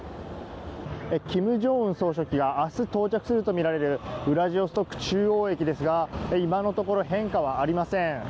金正恩総書記が明日、到着するとみられるウラジオストク中央駅ですが今のところ変化はありません。